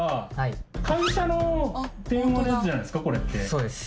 そうです。